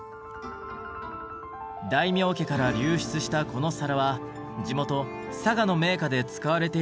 大名家から流出したこの皿は地元佐賀の名家で使われていたといいます。